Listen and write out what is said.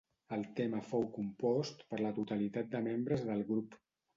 El tema fou compost per la totalitat de membres del grup.